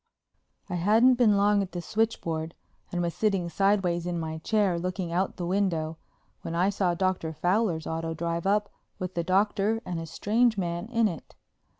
I hadn't been long at the switchboard, and was sitting sideways in my chair looking out of the window when I saw Dr. Fowler's auto drive up with the Doctor and a strange man in it.